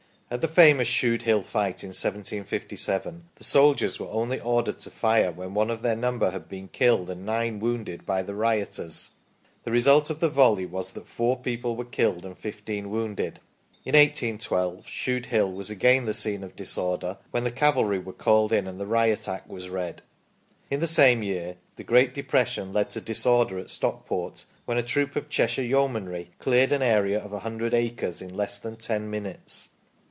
At the famous Shude Hill Fight in 1757, the soldiers were only ordered to fire when one of their number had been killed and nine wounded by the rioters. The result of the volley was that four people were killed and fifteen wounded. In 1812 Shude Hill was again the scene of disorder, when the cavalry were called in and the Riot Act was read. In the same year the great depression led to disorder at Stockport, when a troop of the Cheshire yeomanry " cleared an area of a hundred acres in less than ten minutes